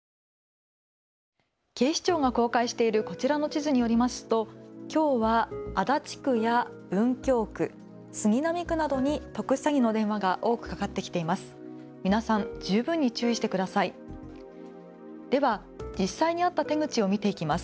警視庁が公開しているこちらの地図によりますときょうは足立区や文京区、杉並区などに特殊詐欺の電話が多くかかってきています。